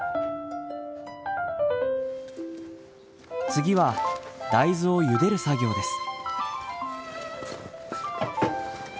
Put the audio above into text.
次は大豆をゆでる作業です。